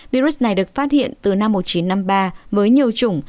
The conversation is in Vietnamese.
virus này được phát hiện từ năm một nghìn chín trăm năm mươi ba với nhiều chủng